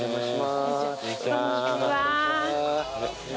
こんにちは。